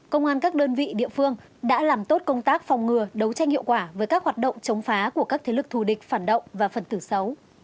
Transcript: công an các đơn vị địa phương đã làm tốt công tác phòng ngừa đấu tranh hiệu quả với các hoạt động chống phá của các thế lực thù địch phản động và phần tử xấu